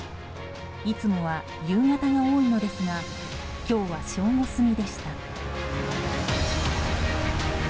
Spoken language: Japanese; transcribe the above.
いつもは夕方が多いのですが今日は正午過ぎでした。